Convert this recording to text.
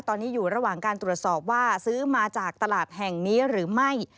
ตอนนี้อยู่ระหว่างการตรวจสอบว่าซื้อมาจากตลาดแห่งนี้หรือไม่